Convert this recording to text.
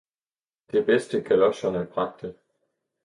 Det bedste galocherne bragte.